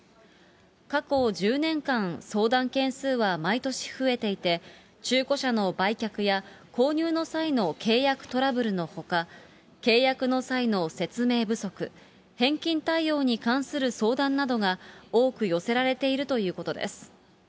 過去１０年間、相談件数は毎年増えていて、中古車の売却や購入の際の契約トラブルのほか、契約の際の説明不足、返金対応に関する相談などが多く寄せられているということです。